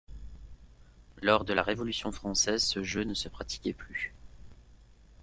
Lors de la Révolution française, se jeu ne se pratiquait plus.